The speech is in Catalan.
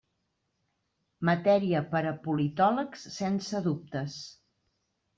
Matèria per a politòlegs, sense dubtes.